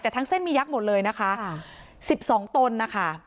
แต่ทั้งเส้นมียักษ์หมดเลยนะคะ๑๒ตนนะคะ